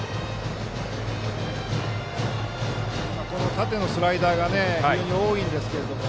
縦のスライダーが非常に多いんですね。